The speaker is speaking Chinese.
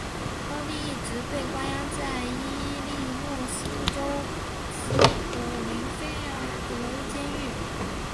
高蒂一直被关押在伊利诺斯州斯普林菲尔德监狱。